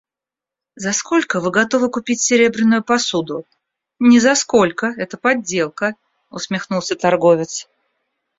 «За сколько вы готовы купить серебряную посуду?» — «Ни за сколько, это подделка», усмехнулся торговец.